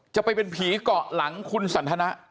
จะไปเป็นผีเกาะหลังคุณสันทนะ